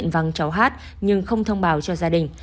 vắng cháu hát nhưng không thông báo cho gia đình